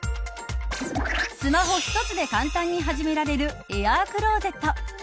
スマホ１つで簡単に始められるエアークローゼット。